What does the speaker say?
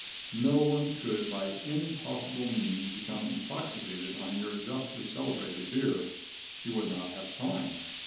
No one could, by any possible means, become intoxicated on your justly celebrated beer. He would not have time.